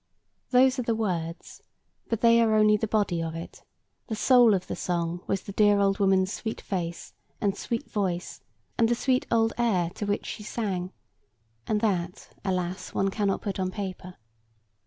[Picture: Time and the old man] Those are the words: but they are only the body of it: the soul of the song was the dear old woman's sweet face, and sweet voice, and the sweet old air to which she sang; and that, alas! one cannot put on paper.